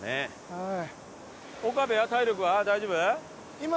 はい。